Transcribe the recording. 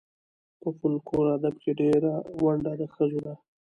په فولکور ادب کې ډېره ونډه د ښځو ده.